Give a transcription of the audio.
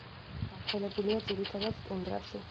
გავრცელებულია ძირითადად ტუნდრაში.